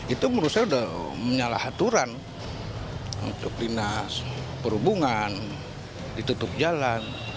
itu menurut saya sudah menyalahaturan untuk linas perhubungan ditutup jalan